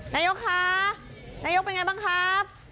นายกคะนายกเป็นอย่างไรบ้างครับ